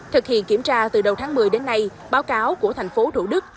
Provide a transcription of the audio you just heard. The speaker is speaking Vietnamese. thực hiện kiểm tra từ đầu tháng một mươi đến nay báo cáo của thành phố thủ đức